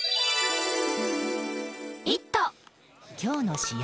今日の試合